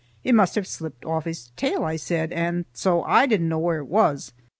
"It must have slipped off his tail," I said, and so I didn't know where it was.